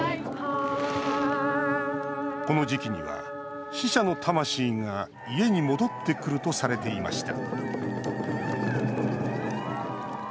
この時期には、死者の魂が家に戻ってくるとされていました